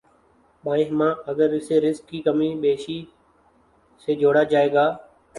بایں ہمہ، اگر اسے رزق کی کم بیشی سے جوڑا جائے گا۔